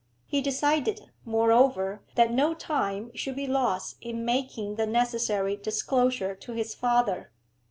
He decided, moreover, that no time should be lost in making the necessary disclosure to his father.